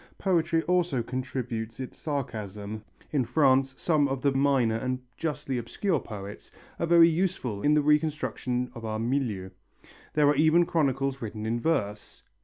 Poetry also contributes its sarcasm. In France some of the minor and justly obscure poets are very useful in the reconstruction of our milieu. There are even chronicles written in verse.